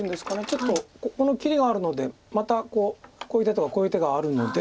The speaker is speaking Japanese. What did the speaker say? ちょっとこの切りがあるのでまたこういう手とかこういう手があるので。